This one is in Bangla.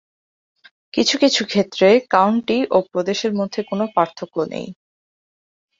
কিছু কিছু ক্ষেত্রে কাউন্টি ও প্রদেশের মধ্যে কোনো পার্থক্য নেই।